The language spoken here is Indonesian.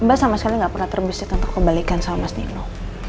mbak sama sekali gak pernah terbisik untuk kebalikan sama mas nikno